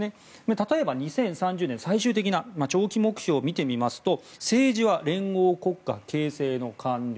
例えば、２０３０年最終的な長期目標を見てみますと政治は連合国家形成の完了。